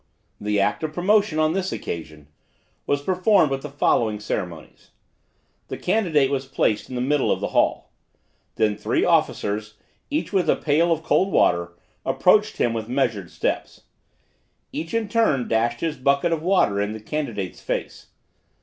The act of promotion, on this occasion, was performed with the following ceremonies. The candidate was placed in the middle of the hall. Then three officers, each with a pail of cold water, approached him with measured steps. Each in turn dashed his bucket of water in the candidate's face.